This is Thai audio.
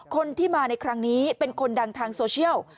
คนที่มาในครั้งนี้เป็นคนดังทางโซเชียล